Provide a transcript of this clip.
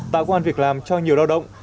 tạo quan việc làm cho nhiều lao động